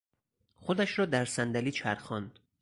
خودش را در صندلی چرخاند.